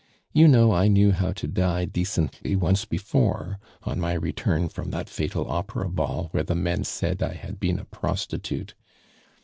You know I knew how to die decently once before, on my return from that fatal opera ball where the men said I had been a prostitute.